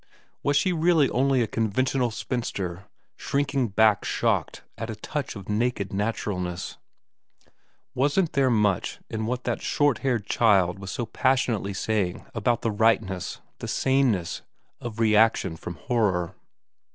Was she really only a conventional spinster, shrinking back shocked at a touch of naked naturalness ? Wasn't there much in what that short haired child was so passionately saying about the Tightness, the saneness, of reaction from horror